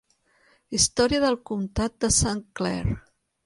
Història del comtat de Saint Clair.